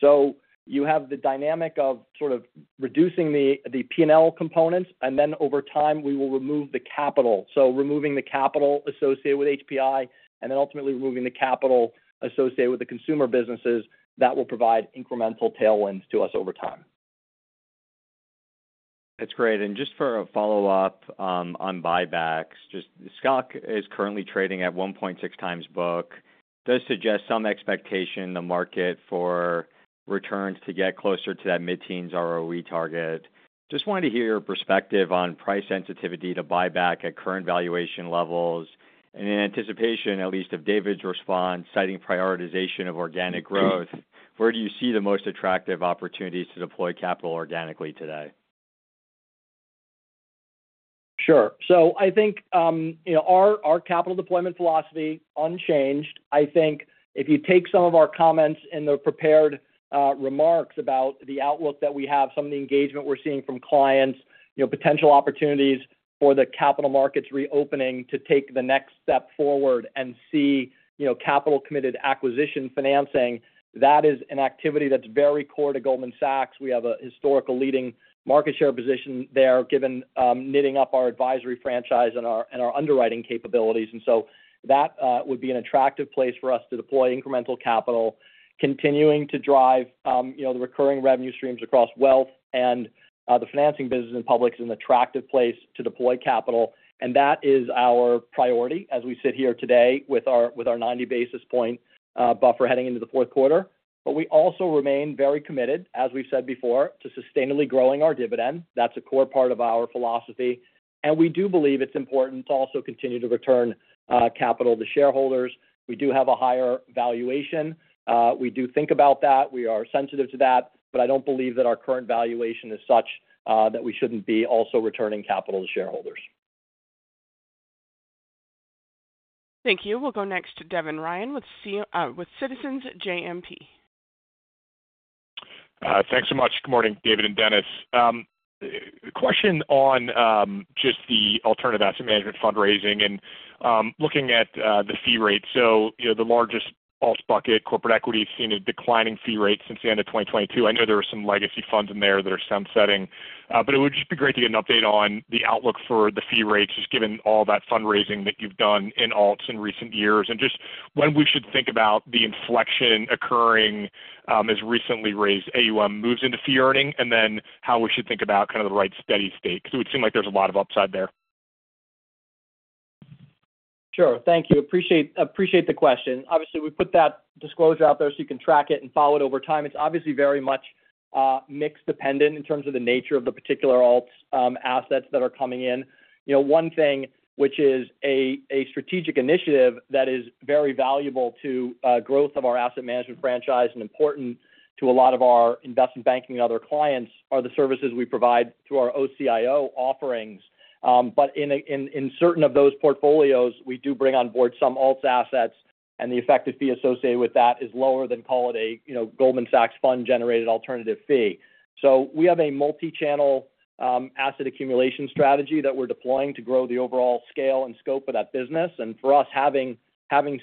C: So you have the dynamic of sort of reducing the P&L components, and then, over time, we will remove the capital. Removing the capital associated with HPI and then ultimately removing the capital associated with the consumer businesses, that will provide incremental tailwinds to us over time.
J: That's great. And just for a follow-up on buybacks, just the stock is currently trading at 1.6x book. Does suggest some expectation in the market for returns to get closer to that mid-teens ROE target. Just wanted to hear your perspective on price sensitivity to buyback at current valuation levels. And in anticipation, at least of David's response, citing prioritization of organic growth, where do you see the most attractive opportunities to deploy capital organically today?
C: Sure. So I think, you know, our capital deployment philosophy unchanged. I think if you take some of our comments in the prepared remarks about the outlook that we have, some of the engagement we're seeing from clients, you know, potential opportunities for the capital markets reopening to take the next step forward and see, you know, capital committed acquisition financing, that is an activity that's very core to Goldman Sachs. We have a historical leading market share position there, given knitting up our advisory franchise and our underwriting capabilities. And so that would be an attractive place for us to deploy incremental capital. Continuing to drive, you know, the recurring revenue streams across wealth and the financing business. In public is an attractive place to deploy capital, and that is our priority as we sit here today with our 90 basis points buffer heading into the fourth quarter. But we also remain very committed, as we've said before, to sustainably growing our dividend. That's a core part of our philosophy, and we do believe it's important to also continue to return capital to shareholders. We do have a higher valuation. We do think about that. We are sensitive to that, but I don't believe that our current valuation is such that we shouldn't be also returning capital to shareholders.
A: Thank you. We'll go next to Devin Ryan with Citizens JMP....
K: Thanks so much. Good morning, David and Denis. A question on just the alternative asset management fundraising and looking at the fee rate. So, you know, the largest alts bucket, corporate equity, has seen a declining fee rate since the end of 2022. I know there are some legacy funds in there that are sunsetting, but it would just be great to get an update on the outlook for the fee rates, just given all that fundraising that you've done in alts in recent years, and just when we should think about the inflection occurring, as recently raised AUM moves into fee earning. And then how we should think about kind of the right steady state, because it would seem like there's a lot of upside there.
C: Sure. Thank you. Appreciate, appreciate the question. Obviously, we put that disclosure out there so you can track it and follow it over time. It's obviously very much mix dependent in terms of the nature of the particular alts assets that are coming in. You know, one thing, which is a strategic initiative that is very valuable to growth of our asset management franchise and important to a lot of our investment banking and other clients, are the services we provide through our OCIO offerings. But in certain of those portfolios, we do bring on board some alts assets, and the effective fee associated with that is lower than call it a, you know, Goldman Sachs fund-generated alternative fee. So we have a multi-channel asset accumulation strategy that we're deploying to grow the overall scale and scope of that business. And for us, having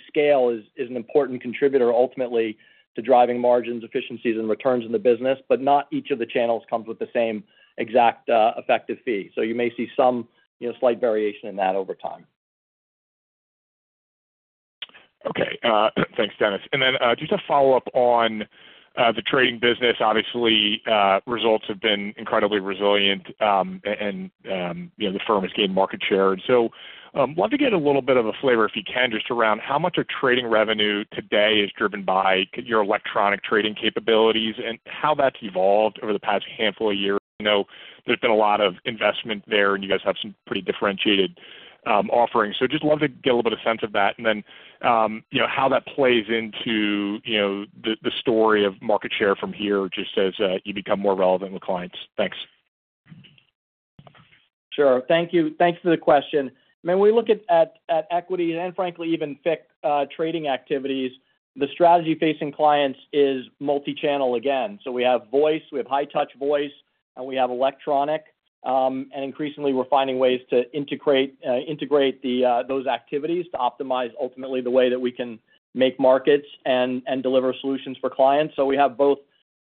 C: scale is an important contributor ultimately to driving margins, efficiencies, and returns in the business. But not each of the channels comes with the same exact effective fee. So you may see some, you know, slight variation in that over time.
K: Okay. Thanks, Denis. And then, just a follow-up on the trading business. Obviously, results have been incredibly resilient, and you know, the firm has gained market share. So, love to get a little bit of a flavor, if you can, just around how much of trading revenue today is driven by your electronic trading capabilities and how that's evolved over the past handful of years. I know there's been a lot of investment there, and you guys have some pretty differentiated offerings. So just love to get a little bit of sense of that, and then you know, how that plays into you know, the story of market share from here, just as you become more relevant with clients. Thanks.
C: Sure. Thank you. Thanks for the question. I mean, when we look at equity and frankly, even FICC trading activities, the strategy facing clients is multi-channel again. So we have voice, we have high-touch voice, and we have electronic. And increasingly, we're finding ways to integrate those activities to optimize ultimately the way that we can make markets and deliver solutions for clients. So we have both,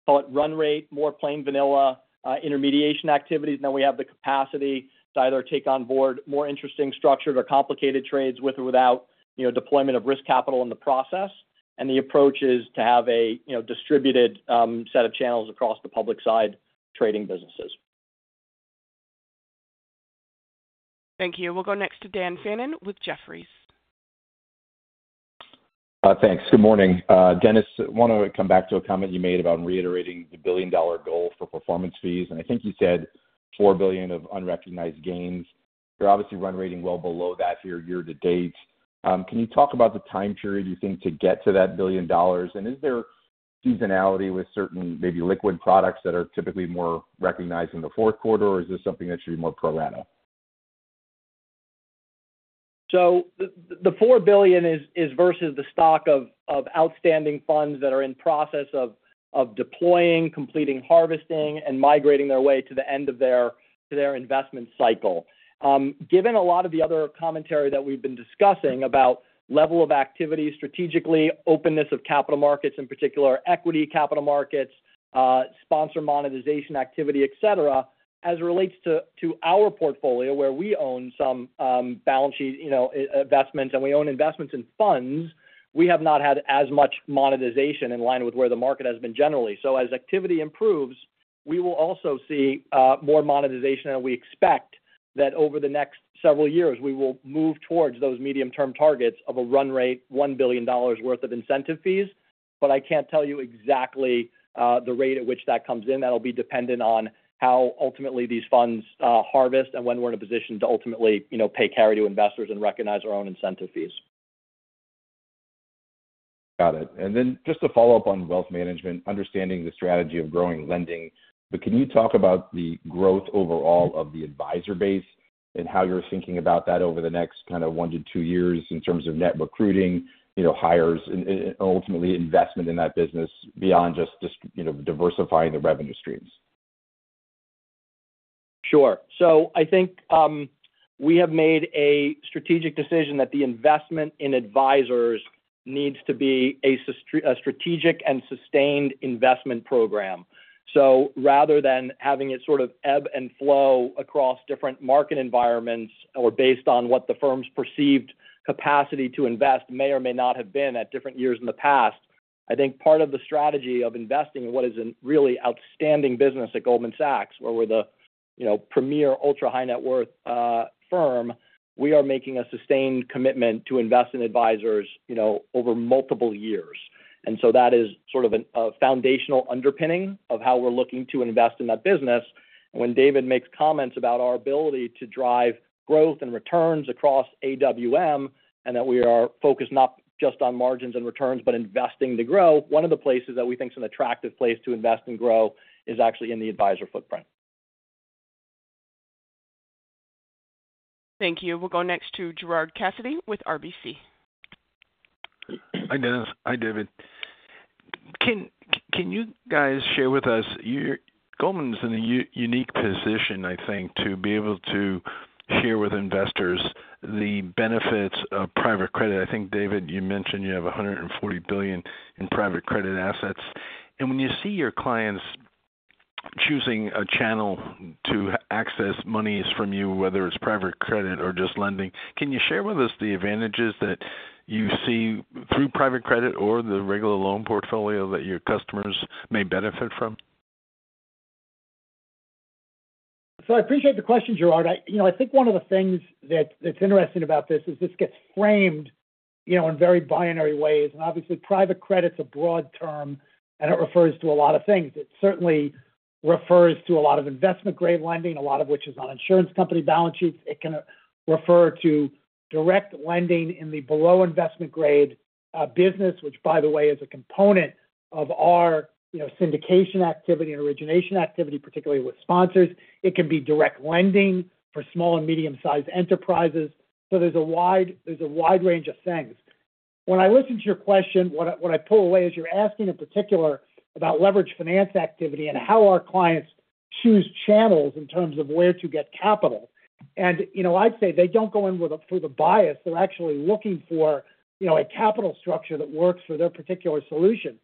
C: call it run rate, more plain vanilla intermediation activities, and then we have the capacity to either take on board more interesting structured or complicated trades, with or without, you know, deployment of risk capital in the process. And the approach is to have a, you know, distributed set of channels across the public side trading businesses.
A: Thank you. We'll go next to Dan Fannon with Jefferies.
L: Thanks. Good morning. Denis, I want to come back to a comment you made about reiterating the billion-dollar goal for performance fees, and I think you said $4 billion of unrecognized gains. You're obviously run rating well below that year to date. Can you talk about the time period you think to get to that $1 billion? And is there seasonality with certain maybe liquid products that are typically more recognized in the fourth quarter, or is this something that should be more pro rata?
C: So the $4 billion is versus the stock of outstanding funds that are in process of deploying, completing harvesting, and migrating their way to the end of their investment cycle. Given a lot of the other commentary that we've been discussing about level of activity, strategically, openness of capital markets, in particular equity capital markets, sponsor monetization activity, et cetera, as it relates to our portfolio, where we own some balance sheet, you know, investments, and we own investments in funds, we have not had as much monetization in line with where the market has been generally. So as activity improves, we will also see more monetization, and we expect that over the next several years, we will move towards those medium-term targets of a run rate, $1 billion worth of incentive fees. But I can't tell you exactly the rate at which that comes in. That'll be dependent on how ultimately these funds harvest and when we're in a position to ultimately, you know, pay carry to investors and recognize our own incentive fees.
L: Got it. And then just to follow up on wealth management, understanding the strategy of growing lending, but can you talk about the growth overall of the advisor base and how you're thinking about that over the next kind of one to two years in terms of net recruiting, you know, hires, and ultimately investment in that business beyond just, you know, diversifying the revenue streams?
C: Sure. So I think, we have made a strategic decision that the investment in advisors needs to be a strategic and sustained investment program. So rather than having it sort of ebb and flow across different market environments or based on what the firm's perceived capacity to invest may or may not have been at different years in the past, I think part of the strategy of investing in what is a really outstanding business at Goldman Sachs, where we're the, you know, premier ultra-high net worth, firm, we are making a sustained commitment to invest in advisors, you know, over multiple years. And so that is sort of a foundational underpinning of how we're looking to invest in that business. When David makes comments about our ability to drive growth and returns across AWM, and that we are focused not just on margins and returns, but investing to grow, one of the places that we think is an attractive place to invest and grow is actually in the advisor footprint.
A: Thank you. We'll go next to Gerard Cassidy with RBC.
M: Hi, Denis. Hi, David. Can you guys share with us... Goldman is in a unique position, I think, to be able to share with investors the benefits of private credit. I think, David, you mentioned you have $140 billion in private credit assets. And when you see your clients choosing a channel to access monies from you, whether it's private credit or just lending, can you share with us the advantages that you see through private credit or the regular loan portfolio that your customers may benefit from?
B: So I appreciate the question, Gerard. I, you know, I think one of the things that, that's interesting about this is this gets framed, you know, in very binary ways. And obviously, private credit is a broad term, and it refers to a lot of things. It certainly refers to a lot of investment-grade lending, a lot of which is on insurance company balance sheets. It can refer to direct lending in the below investment-grade, business, which, by the way, is a component of our, you know, syndication activity and origination activity, particularly with sponsors. It can be direct lending for small and medium-sized enterprises. So there's a wide, there's a wide range of things. When I listen to your question, what I, what I pull away is you're asking, in particular, about leverage finance activity and how our clients choose channels in terms of where to get capital. You know, I'd say they don't go in with a bias. They're actually looking for, you know, a capital structure that works for their particular solution.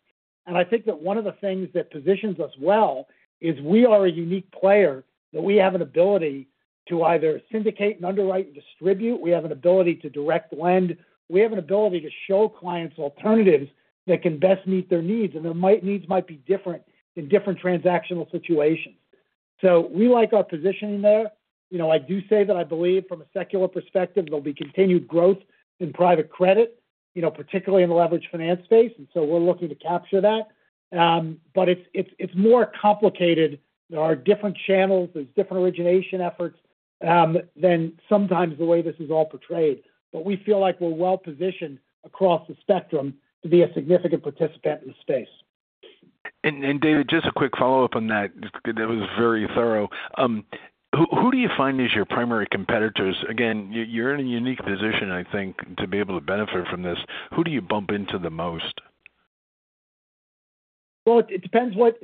B: I think that one of the things that positions us well is we are a unique player, that we have an ability to either syndicate and underwrite and distribute. We have an ability to direct lend. We have an ability to show clients alternatives that can best meet their needs, and their needs might be different in different transactional situations. So we like our position in there. You know, I do say that I believe from a secular perspective, there'll be continued growth in private credit, you know, particularly in the leveraged finance space, and so we're looking to capture that. But it's more complicated. There are different channels, there's different origination efforts, than sometimes the way this is all portrayed. But we feel like we're well-positioned across the spectrum to be a significant participant in the space.
M: David, just a quick follow-up on that. That was very thorough. Who do you find is your primary competitors? Again, you're in a unique position, I think, to be able to benefit from this. Who do you bump into the most?
B: It depends what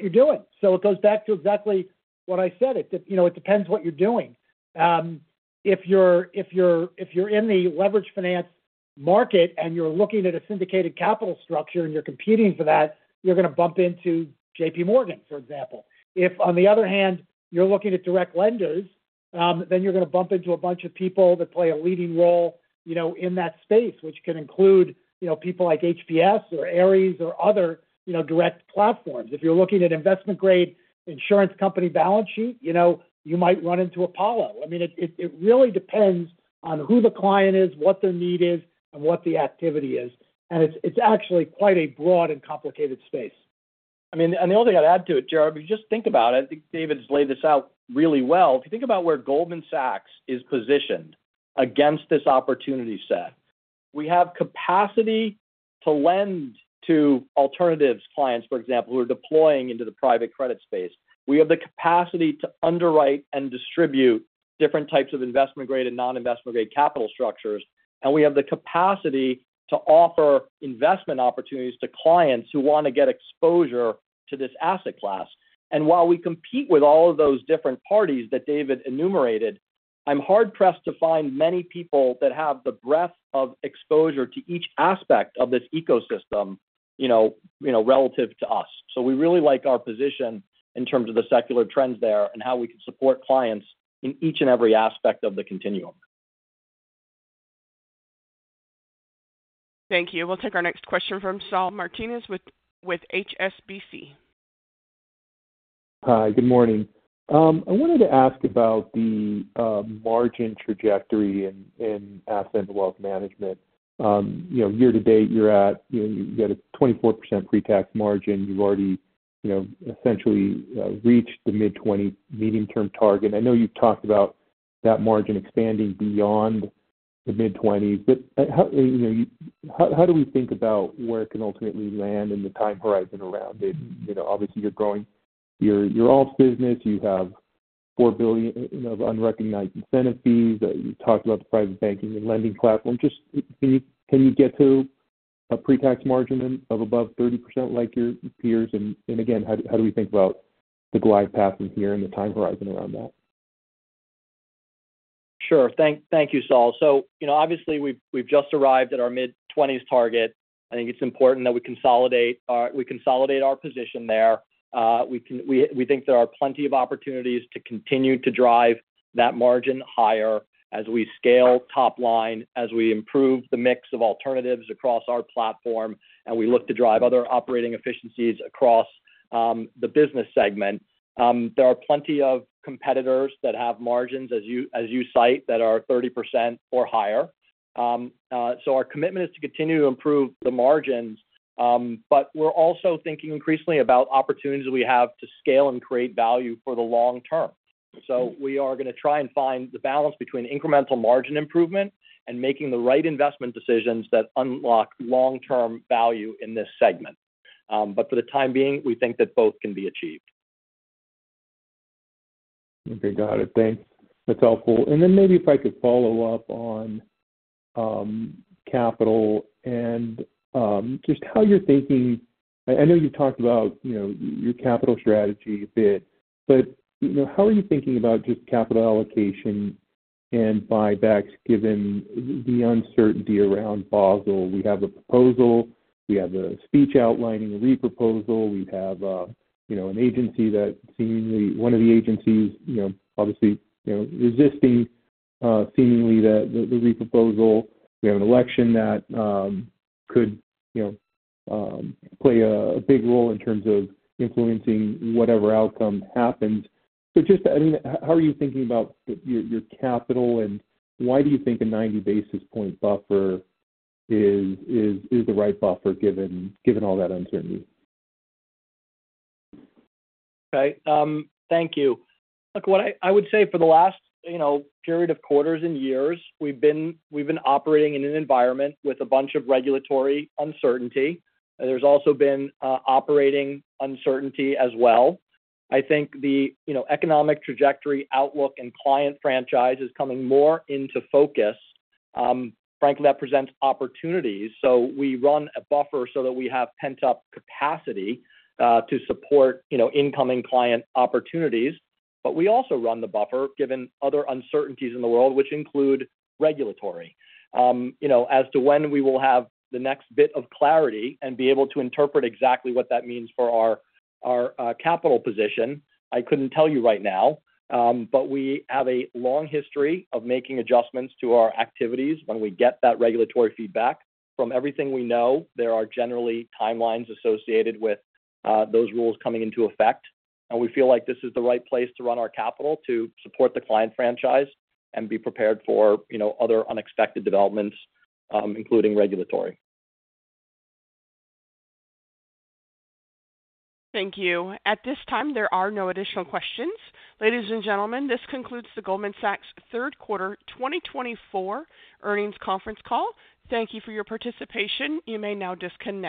B: you're doing. So it goes back to exactly what I said. You know, it depends what you're doing. If you're in the leveraged finance market and you're looking at a syndicated capital structure and you're competing for that, you're gonna bump into JPMorgan, for example. If, on the other hand, you're looking at direct lenders, then you're gonna bump into a bunch of people that play a leading role, you know, in that space, which can include, you know, people like HPS or Ares or other, you know, direct platforms. If you're looking at investment-grade insurance company balance sheet, you know, you might run into Apollo. I mean, it really depends on who the client is, what their need is, and what the activity is. It's actually quite a broad and complicated space.
C: I mean, and the only thing I'd add to it, Gerard, if you just think about it, I think David's laid this out really well. If you think about where Goldman Sachs is positioned against this opportunity set, we have capacity to lend to alternatives clients, for example, who are deploying into the private credit space. We have the capacity to underwrite and distribute different types of investment-grade and non-investment grade capital structures, and we have the capacity to offer investment opportunities to clients who want to get exposure to this asset class. And while we compete with all of those different parties that David enumerated, I'm hard-pressed to find many people that have the breadth of exposure to each aspect of this ecosystem, you know, you know, relative to us. So we really like our position in terms of the secular trends there and how we can support clients in each and every aspect of the continuum.
A: Thank you. We'll take our next question from Saul Martinez with HSBC.
N: Hi, good morning. I wanted to ask about the margin trajectory in Asset & Wealth Management. You know, year to date, you're at a 24% pretax margin. You've already, you know, essentially reached the mid-twenties medium-term target. I know you've talked about that margin expanding beyond the mid-twenties, but how, you know, how do we think about where it can ultimately land and the time horizon around it? You know, obviously, you're growing your alts business. You have $4 billion, you know, unrecognized incentive fees. You talked about the private banking and lending platform. Just can you get to a pretax margin of above 30% like your peers? And again, how do we think about the glide path from here and the time horizon around that?
C: Sure. Thank you, Saul. So, you know, obviously, we've just arrived at our mid-twenties target. I think it's important that we consolidate our position there. We think there are plenty of opportunities to continue to drive that margin higher as we scale top line, as we improve the mix of alternatives across our platform, and we look to drive other operating efficiencies across the business segment. There are plenty of competitors that have margins, as you cite, that are 30% or higher. So our commitment is to continue to improve the margins, but we're also thinking increasingly about opportunities that we have to scale and create value for the long term. We are gonna try and find the balance between incremental margin improvement and making the right investment decisions that unlock long-term value in this segment, but for the time being, we think that both can be achieved. ...
N: Okay, got it. Thanks. That's helpful. And then maybe if I could follow up on, capital and, just how you're thinking. I know you've talked about, you know, your capital strategy a bit, but, you know, how are you thinking about just capital allocation and buybacks, given the uncertainty around Basel? We have a proposal, we have a speech outlining a reproposal. We have, you know, an agency that seemingly, one of the agencies, you know, obviously, resisting, seemingly, the reproposal. We have an election that, could, you know, play a big role in terms of influencing whatever outcome happens. So just, I mean, how are you thinking about your capital, and why do you think a 90 basis point buffer is the right buffer, given all that uncertainty?
C: Okay. Thank you. Look, what I would say for the last, you know, period of quarters and years, we've been operating in an environment with a bunch of regulatory uncertainty. There's also been operating uncertainty as well. I think the, you know, economic trajectory, outlook, and client franchise is coming more into focus. Frankly, that presents opportunities. So we run a buffer so that we have pent-up capacity to support, you know, incoming client opportunities. But we also run the buffer, given other uncertainties in the world, which include regulatory. You know, as to when we will have the next bit of clarity and be able to interpret exactly what that means for our capital position, I couldn't tell you right now. But we have a long history of making adjustments to our activities when we get that regulatory feedback. From everything we know, there are generally timelines associated with those rules coming into effect, and we feel like this is the right place to run our capital to support the client franchise and be prepared for, you know, other unexpected developments, including regulatory.
A: Thank you. At this time, there are no additional questions. Ladies and gentlemen, this concludes the Goldman Sachs third quarter 2024 earnings conference call. Thank you for your participation. You may now disconnect.